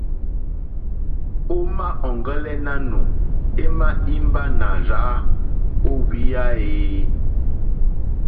O ma ɔ̀ŋgɛlɛ nanù ema imba nà rza o hwiya e?